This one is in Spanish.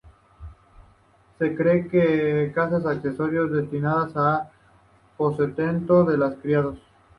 Se cree que casas accesorias destinadas al aposento de los criados.